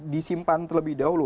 disimpan terlebih dahulu